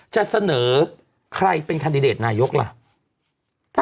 จะเสนอใครเป็นคันดิเดตนายกล่ะ